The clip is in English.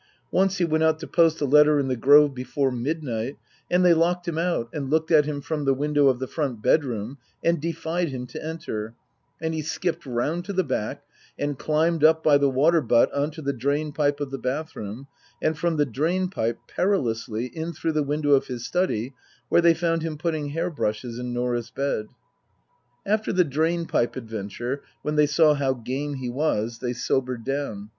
Once he went out to post a letter in the Grove before midnight and they locked him out and looked at him from the window of the front bedroom and defied him to enter, and he skipped round to the back and climbed up by the water butt on to the drainpipe of the bathroom, and from the drainpipe, perilously, in through the window of his study, where they found him putting hair brushes in Norah's bed. After the drainpipe adventure (when they saw how game he was) they sobered down.